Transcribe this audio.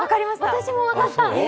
私も分かった！